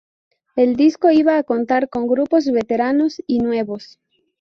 El disco iba a contar con grupos veteranos y nuevos.